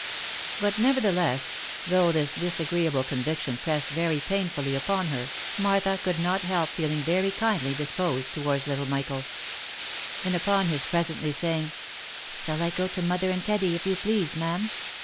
But, nevertheless, though this disagreeable conviction pressed very painfully upon her, Martha could not help feeling very k ndly disposed towards little Michael ; and upon his presently saying, " Shall I go to mother and Teddy, if you please, ma'am?"